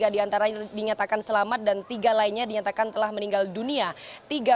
dua ratus sembilan puluh tiga diantaranya dinyatakan selamat dan tiga lainnya dinyatakan telah meninggal dunia